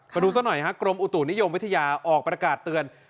มาดูซะหน่อยฮะกรมอุตุนิยมวิทยาออกประกาศเตือน